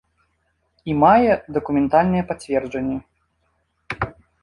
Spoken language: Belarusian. І мае дакументальныя пацверджанні.